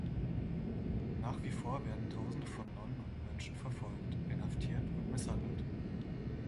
Nach wie vor werden Tausende von Nonnen und Mönchen verfolgt, inhaftiert und misshandelt.